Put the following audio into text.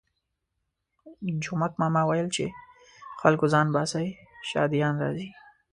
جومک ماما ویل چې خلکو ځان باسئ شهادیان راځي.